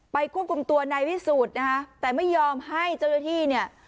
ไปควบกลุ่มตัวในวิสูตรนะฮะแต่ไม่ยอมให้เจ้าหน้าที่เนี่ย